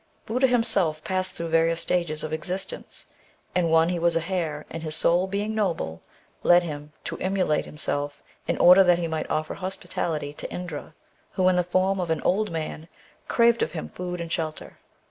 Budda him self passed through various stages of existence ; in one he was a hare, and his soul being noble, led him to inmio late himself, in order that he might offer hospitality to Indra, who, in the form of an old man, craved of him food and shelter.